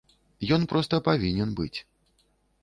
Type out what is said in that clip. Ён проста павінен быць.